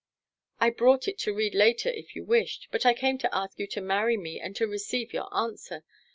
"I brought it to read later if you wished, but I came to ask you to marry me and to receive your answer.